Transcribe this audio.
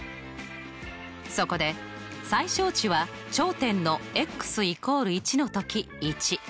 そこで最小値は頂点の＝１のとき１。